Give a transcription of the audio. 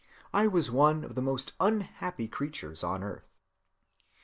I was one of the most unhappy creatures on earth.